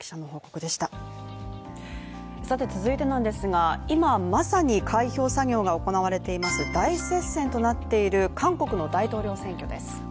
続いてなんですが、今、まさに開票作業が行われています大接戦となっている韓国の大統領選挙です。